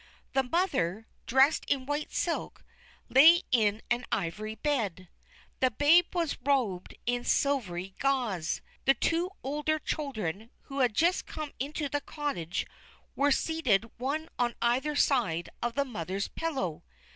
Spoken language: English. The mother, dressed in white silk, lay in an ivory bed. The babe was robed in silvery gauze. The two older children, who had just come into the cottage, were seated one on either side of the mother's pillow.